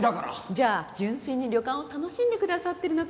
じゃあ純粋に旅館を楽しんでくださってるのかしら？